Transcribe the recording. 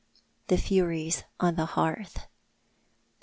THE FURIES ON THE HEARTH.